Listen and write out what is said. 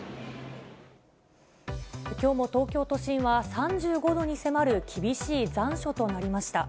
きょうも東京都心は３５度に迫る厳しい残暑となりました。